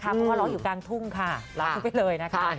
เพราะว่าร้องอยู่กลางทุ่มค่ะร้องไปเลยนะคะค่ะ